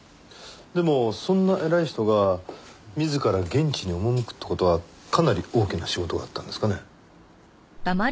でもそんな偉い人が自ら現地に赴くって事はかなり大きな仕事があったんですかね？